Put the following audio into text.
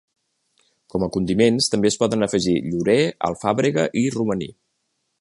Com a condiments també es poden afegir llorer, alfàbrega i romaní.